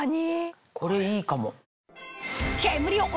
これいいかも。